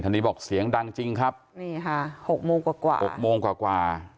อันนี้บอกเสียงดังจริงครับนี่ค่ะหกโมงกว่ากว่าหกโมงกว่ากว่า